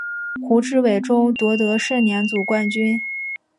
胡志伟中夺得盛年组冠军。